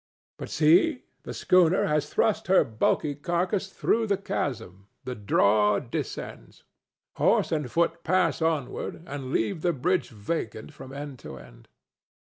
But see! the schooner has thrust her bulky carcase through the chasm; the draw descends; horse and foot pass onward and leave the bridge vacant from end to end.